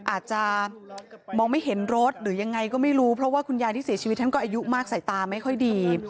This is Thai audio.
อาจจะมองไม่เห็นรถหรือยังไงก็ไม่รู้เพราะว่าคุณยายที่เสียชีวิตท่านก็อายุมากใส่ตาไม่ค่อยดี